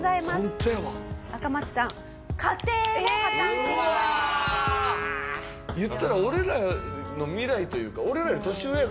言ったら俺らの未来というか俺らより年上やから。